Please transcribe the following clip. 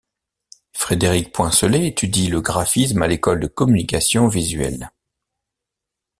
Frédéric Poincelet étudie le graphisme à l'École de Communication Visuelle.